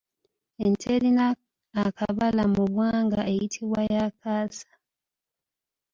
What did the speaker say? Ente erina akabala mu bwanga eyitibwa ya Kaasa.